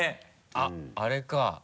あっあれか。